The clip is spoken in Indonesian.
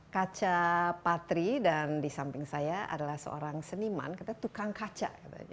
kaca patri dan di samping saya adalah seorang seniman katanya tukang kaca